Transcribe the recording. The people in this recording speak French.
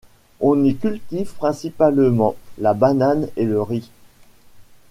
On y cultive principalement la banane et le riz.